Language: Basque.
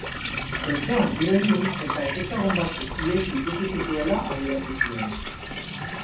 Besoan tiro egin eta ezezagun batzuk ihesi ikusi zituela adierazi zien.